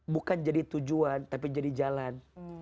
bukan jadi tujuan tapi jadi jalan